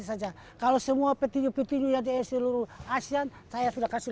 saat menurut talent lemari universitas yang percaya ibara tersebut